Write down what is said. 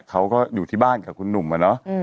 เขาก็อยู่ที่บ้านกับคุณหนุ่มอะเนาะ